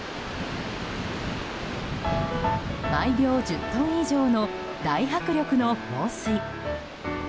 毎秒１０トン以上の大迫力の放水。